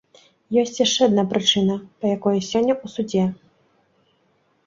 Ёсць яшчэ адна прычына, па якой я сёння ў судзе.